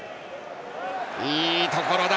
いいところだ！